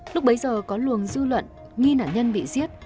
lúc bấy giờ có luồng dư luận nghi nạn nhân bị giết